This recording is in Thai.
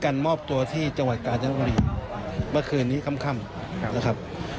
ในวันนี้ครับ